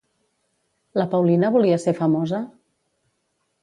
La Paulina volia ser famosa?